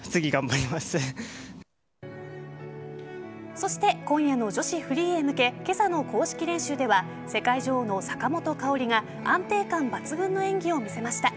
そして今夜の女子フリーへ向け今朝の公式練習では世界女王の坂本花織が安定感抜群の演技を見せました。